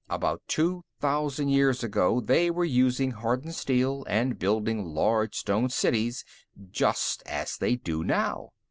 About two thousand years ago, they were using hardened steel and building large stone cities, just as they do now.